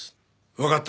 わかった。